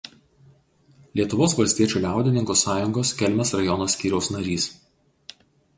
Lietuvos valstiečių liaudininkų sąjungos Kelmės rajono skyriaus narys.